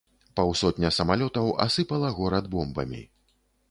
Паўсотня самалётаў асыпала горад бомбамі.